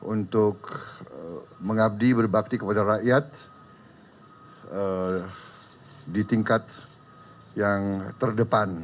untuk mengabdi berbakti kepada rakyat di tingkat yang terdepan